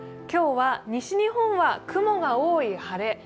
今日は西日本は雲が多い晴れ。